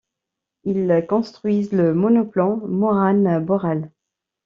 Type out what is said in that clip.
Ils construisent le monoplan Morane-Borel.